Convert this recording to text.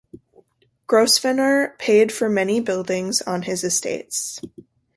Grosvenor paid for many buildings on his estates.